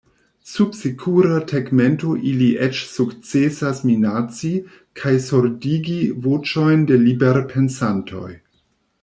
Sub sekura tegmento ili eĉ sukcesas minaci kaj surdigi voĉojn de liberpensantoj.